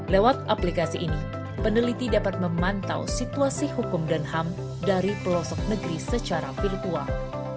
lewat aplikasi ini peneliti dapat memantau situasi hukum dan ham dari pelosok negeri secara virtual